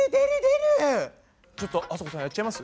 ちょっとあさこさんやっちゃいます？